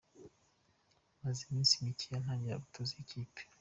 Maze iminsi mikeya ntangiye gutoza iyi kipe.